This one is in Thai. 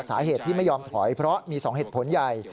สาเหตุที่ไม่ยอมถอยเพราะมี๒เหตุผลใหญ่